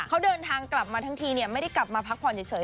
เขาเดินทางกลับมาทั้งทีไม่ได้กลับมาพักผ่อนเฉย